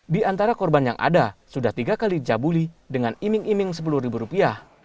di antara korban yang ada sudah tiga kali dicabuli dengan iming iming sepuluh ribu rupiah